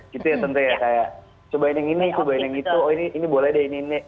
gitu ya tentu ya kayak cobain yang ini cobain yang itu oh ini ini boleh deh ini ini